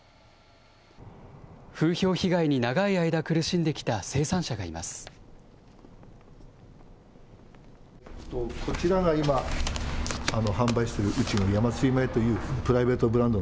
風評被害に長い間苦しんできた生産者がいます。